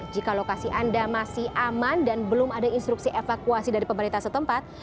jika lokasi anda masih aman dan belum ada instruksi evakuasi dari pemerintah setempat